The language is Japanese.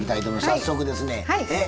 早速ですねえっ